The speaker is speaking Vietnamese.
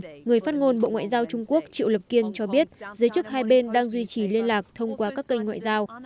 trong đó người phát ngôn bộ ngoại giao trung quốc triệu lập kiên cho biết giới chức hai bên đang duy trì liên lạc thông qua các kênh ngoại giao